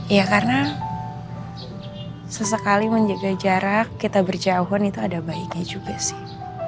iya karena sesekali menjaga jarak kita berjauhan itu ada baiknya juga sih